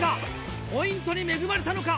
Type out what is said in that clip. ポイントに恵まれたのか？